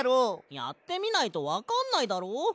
やってみないとわかんないだろ。